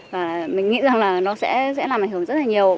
và mình nghĩ rằng là nó sẽ làm ảnh hưởng rất là nhiều